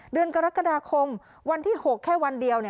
เดือนกรกฎาคมวันที่๖แค่วันเดียว